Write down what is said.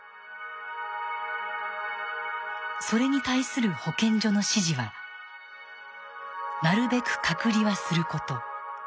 それに対する保健所の指示は「なるべく隔離はすること」。